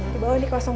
di bawah ini kosong